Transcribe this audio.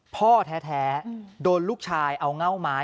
พ่อแท้โดนลูกชายเอาเง่าไม้